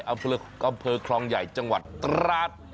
อำเภอกำเภอครองใหญ่จังหวัดตราด